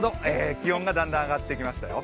気温がだんだん上がってきました。